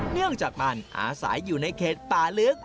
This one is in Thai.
เนื่องจากมันอาศัยอยู่ในเขตป่าลึก